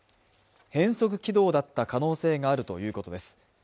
変則軌道だった可能性があるということです